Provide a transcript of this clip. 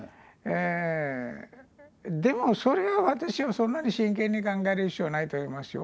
でもそれは私はそんなに真剣に考える必要はないと思いますよ。